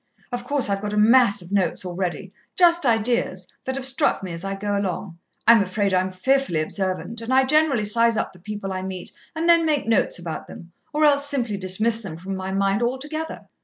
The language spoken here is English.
Of course, I've got a mass of notes already. Just ideas, that have struck me as I go along. I'm afraid I'm fearfully observant, and I generally size up the people I meet, and then make notes about them or else simply dismiss them from my mind altogether.